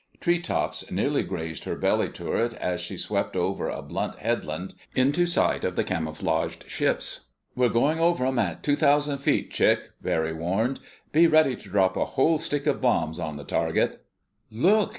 Tree tops nearly grazed her belly turret as she swept over a blunt headland, into sight of the camouflaged ships. "We're going over 'em at two thousand feet, Chick," Barry warned. "Be ready to drop a whole stick of bombs on the target." "Look!"